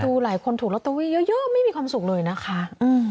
หลายคนถูกลอตเตอรี่เยอะไม่มีความสุขเลยนะคะ